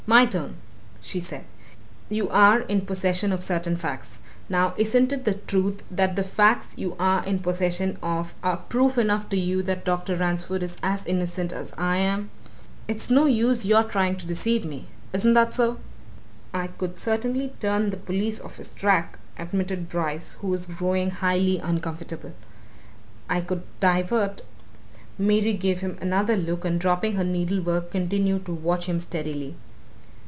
"My turn!" she said. "You're in possession of certain facts. Now isn't it the truth that the facts you are in possession of are proof enough to you that Dr. Ransford is as innocent as I am? It's no use your trying to deceive me! Isn't that so?" "I could certainly turn the police off his track," admitted Bryce, who was growing highly uncomfortable. "I could divert " Mary gave him another look and dropping her needlework continued to watch him steadily.